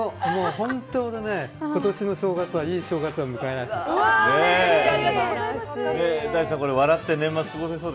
本当に今年の正月はいい正月を迎えられそう。